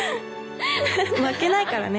負けないからね！